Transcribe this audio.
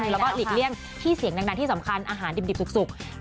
แล้วก็หลีกเลี่ยงที่เสียงดังที่สำคัญอาหารดิบสุก